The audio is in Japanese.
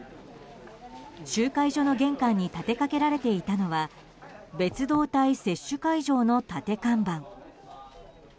集会所の玄関に立てかけられていたのは別動隊接種会場の立て看板。